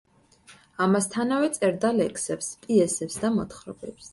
ამასთანავე, წერდა ლექსებს, პიესებს და მოთხრობებს.